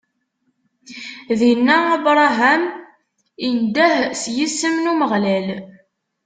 Dinna, Abṛaham indeh s yisem n Umeɣlal.